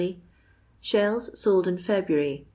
— Shells sold in February